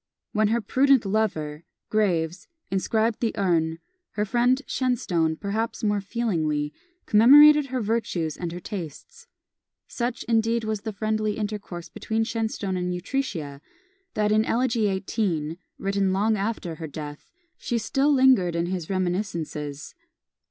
When her prudent lover, Graves, inscribed the urn, her friend Shenstone, perhaps more feelingly, commemorated her virtues and her tastes. Such, indeed, was the friendly intercourse between Shenstone and Utrecia, that in Elegy XVIII., written long after her death, she still lingered in his reminiscences.